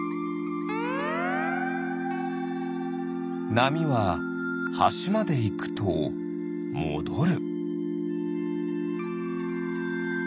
なみははしまでいくともどる。